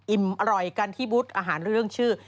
อร่อยกันที่บุตรอาหารเรื่องชื่อ